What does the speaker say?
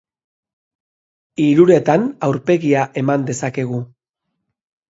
Hiruretan aurpegia eman dezakegu.